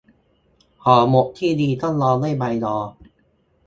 ห่อหมกที่ดีต้องรองด้วยใบยอ